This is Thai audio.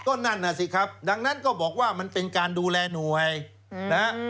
ก็นั่นน่ะสิครับดังนั้นก็บอกว่ามันเป็นการดูแลหน่วยนะฮะ